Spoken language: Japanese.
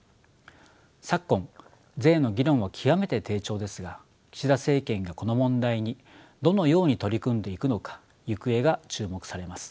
昨今税の議論は極めて低調ですが岸田政権がこの問題にどのように取り組んでいくのか行方が注目されます。